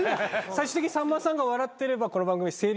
最終的にさんまさんが笑ってればこの番組成立するんで。